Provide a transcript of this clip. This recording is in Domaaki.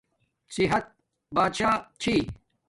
صحت بادشاہ چھی